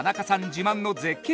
自慢の絶景